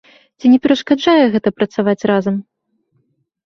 Ці не перашкаджае гэта працаваць разам?